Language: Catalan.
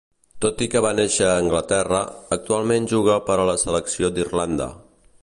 Tot i que va néixer a Anglaterra, actualment juga per a la selecció d'Irlanda.